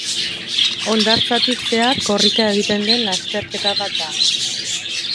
Hondartzatik zehar korrika egiten den lasterketa bat da.